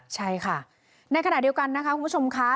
ใช่ค่ะในขณะเดียวกันนะคะคุณผู้ชมค่ะ